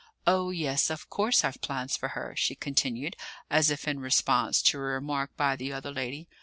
Oh, yes, of course, I've plans for her," she continued, as if in response to a remark by the other lady.